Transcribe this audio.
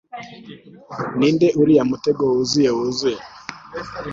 Ninde uriya mutego wuzuye wuzuye